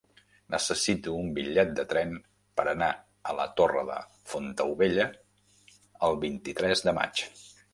Necessito un bitllet de tren per anar a la Torre de Fontaubella el vint-i-tres de maig.